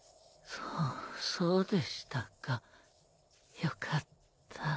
そそうでしたかよかった。